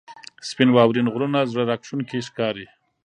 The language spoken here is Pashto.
• سپین واورین غرونه زړه راښکونکي ښکاري.